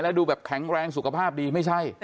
แล้วดูแบบแข็งแรงสุขภาพดีไม่ใช่